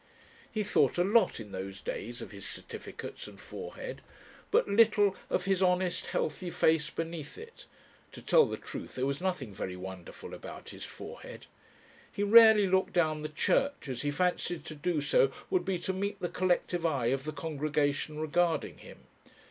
He thought a lot in those days of his certificates and forehead, but little of his honest, healthy face beneath it. (To tell the truth there was nothing very wonderful about his forehead.) He rarely looked down the church, as he fancied to do so would be to meet the collective eye of the congregation regarding him.